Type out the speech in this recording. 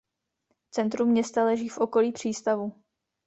Centrum města leží v okolí přístavu.